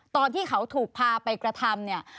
ตอนที่เขาถูกพาไปกระทำ